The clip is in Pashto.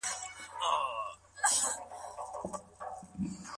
سړی خپله ميرمن په کومو طهرونو کي طلاقولای سي؟